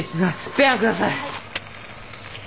ペアンください！